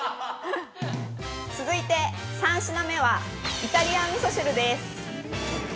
◆続いて３品目はイタリアンみそ汁です。